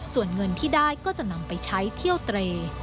ส่วนเงินที่ได้ก็จะนำไปใช้เที่ยวเตร